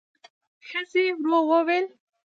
ښځې ورو وویل: